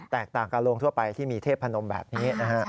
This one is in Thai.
ต่างกับโรงทั่วไปที่มีเทพนมแบบนี้นะฮะ